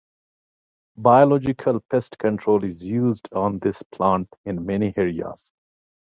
Biological pest control is used on this plant in many areas.